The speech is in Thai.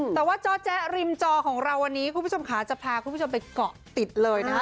แต่ว่าจอแจ๊ริมจอของเราวันนี้คุณผู้ชมขาจะพาคุณผู้ชมไปเกาะติดเลยนะคะ